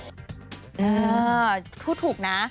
เออพูดถูกนะ